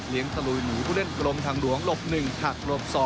เลี้ยงสลุยหมูผู้เล่นกลมทางหลวงหลบ๑ถักหลบ๒